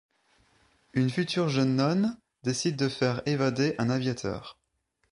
Une future jeune nonne décide de faire évader un aviateur.